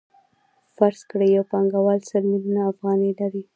فرض کړئ یو پانګوال سل میلیونه افغانۍ لري